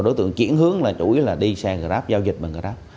đối tượng chuyển hướng là chủ yếu là đi xe grab giao dịch bằng grab